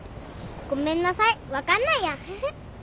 ごめんなさい分かんないやヘヘ。